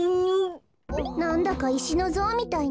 なんだかいしのぞうみたいね。